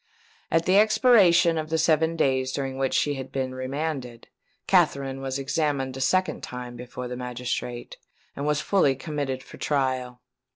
At the expiration of the seven days during which she had been remanded, Katherine was examined a second time before the magistrate, and was fully committed for trial.